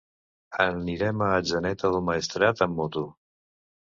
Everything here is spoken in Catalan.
Anirem a Atzeneta del Maestrat amb moto.